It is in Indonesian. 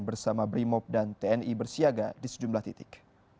bersama brimob dan tni bersiaga di sejumlah titik